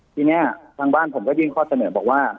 ทีนี้ทางบ้านผมก็ยื่นข้อเสนอบอกว่า